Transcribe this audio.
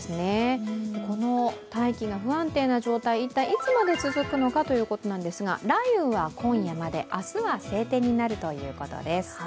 この大気が不安定な状態、一体いつまで続くのかということですが雷雨は今夜まで、明日は晴天になるということです。